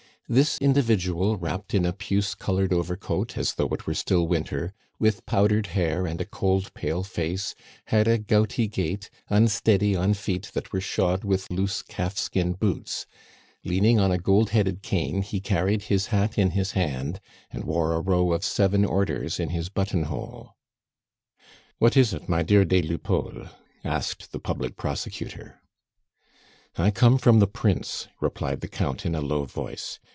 This individual, wrapped in a puce colored overcoat, as though it were still winter, with powdered hair, and a cold, pale face, had a gouty gait, unsteady on feet that were shod with loose calfskin boots; leaning on a gold headed cane, he carried his hat in his hand, and wore a row of seven orders in his button hole. "What is it, my dear des Lupeaulx?" asked the public prosecutor. "I come from the Prince," replied the Count, in a low voice.